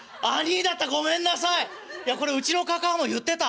いやこれうちの嬶も言ってた。